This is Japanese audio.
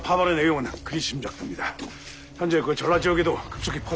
はい。